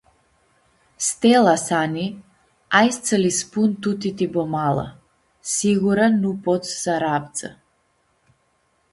Stela Sani, Ai s-tsã li spun tuti ti Bomala, siyura nu pots s-aravdzã.